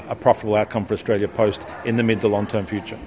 dan ini adalah hasil yang beruntung bagi australia post dalam masa depan